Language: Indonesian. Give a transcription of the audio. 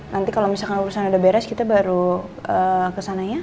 nanti kalau misalkan perusahaan udah beres kita baru kesananya